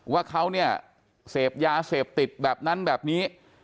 ว่าเขาเนี่ยเสพยาเสพติดแบบนั้นแบบนี้